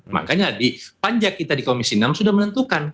makanya panjang kita di komisi enam sudah menentukan